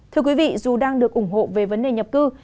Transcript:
thưa quý vị dù đang được ủng hộ về vấn đề nhập cư